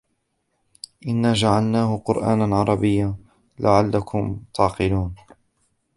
إِنَّا جَعَلْنَاهُ قُرْآنًا عَرَبِيًّا لَعَلَّكُمْ تَعْقِلُونَ